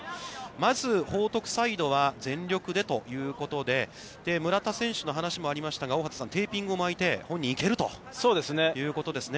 まず報徳サイドは全力でということで村田選手の話もありましたが、大畑さん、テーピングを巻いて、本人は行けるということですね。